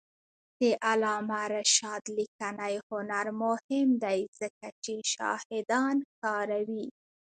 د علامه رشاد لیکنی هنر مهم دی ځکه چې شاهدان کاروي.